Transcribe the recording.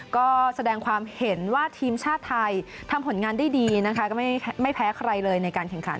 ก็แสดงความเห็นว่าทีมชาติไทยทำผลงานได้ดีนะคะก็ไม่แพ้ใครเลยในการแข่งขัน